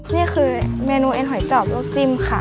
นี่คือเมนูเอ็นหอยจอบลวกจิ้มค่ะ